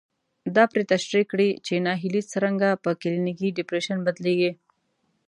دا پرې تشرېح کړي چې ناهيلي څرنګه په کلينيکي ډېپريشن بدلېږي.